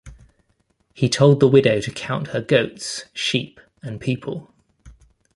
He told the widow to count her goats, sheep and people.